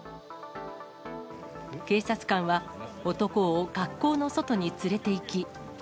警察官は男を学校の外に連れていき。